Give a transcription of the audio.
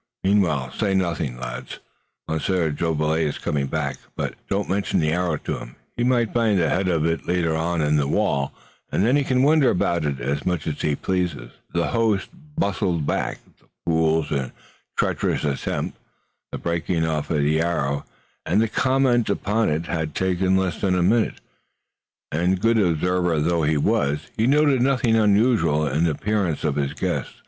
Meanwhile, say nothing, lads. Monsieur Jolivet is coming back, but don't mention the arrow to him. He may find the head of it later on in the wall, and then he can wonder about it as much as he pleases." Mine host bustled back. The foul and treacherous attempt, the breaking off of the arrow, and the comment upon it had taken less than a minute, and, good observer though he was, he noticed nothing unusual in the appearance of his guests.